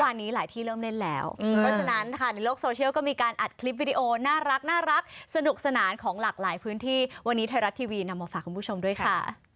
วันนี้ไทยรัชทีวีนำออกฝากคุณผู้ชมด้วยค่ะ